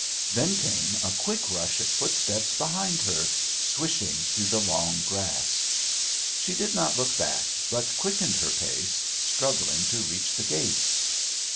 Then came a quick rush of footsteps behind her, swishing through the long grass. She did not look back, but quickened her pace, struggling to reach the gate.